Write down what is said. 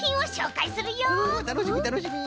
たのしみたのしみ。